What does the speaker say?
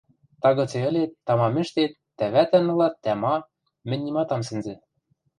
Тагыце ӹлет, тамам ӹштет, тӓ вӓтӓн ылат, тӓ ма — мӹнь нимат ам сӹнзӹ.